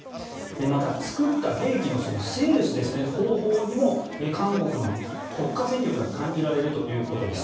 また、作った兵器のセールス、方法にも韓国の国家戦略が感じられるということです。